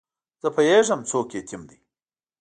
زه پوهېږم څوک یتیم دی.